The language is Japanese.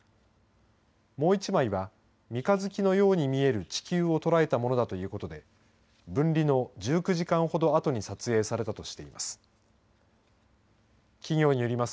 もう１枚は三日月のように見える地球を捉えたものだということで分離の１９時間ほどあとに撮影されたとしています。